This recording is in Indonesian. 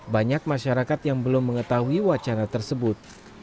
banyak masyarakat yang belum mengetahui wacana tersebut